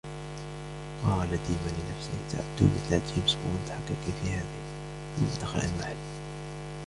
قال ديما لنفسه: " سأبدو مثل جيمس بوند حقيقي في هذه "، ثم دخل المحل.